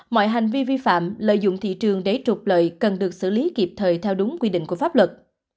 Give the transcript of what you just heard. mọi hành vi vi phạm lợi dụng thị trường để trục lợi cần được xử lý kịp thời theo đúng quy định của pháp luật